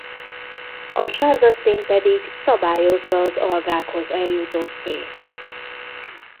A sárga szín pedig szabályozza az algákhoz eljutott fényt.